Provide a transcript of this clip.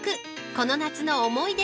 「この夏の思い出」